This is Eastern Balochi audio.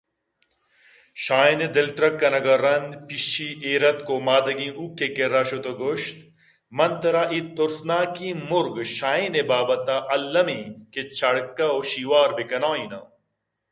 شاہین ءِ دلترک کنگ ءَ رند پِشّی ایراتک ءُ مادگیں ہُوک ءِ کرّا شُت ءُ گوٛشت من ترا اے تُرسناکیں مُرغ شاہین ءِ بابت ءَ الّمیں کہ چاڑّ کہ ءُ شِیوار بہ کنائیناں